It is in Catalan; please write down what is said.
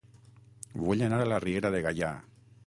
Vull anar a La Riera de Gaià